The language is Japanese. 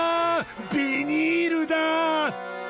ビニールだ！